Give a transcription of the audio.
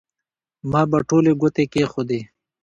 ما به ټولې ګوتې کېښودې.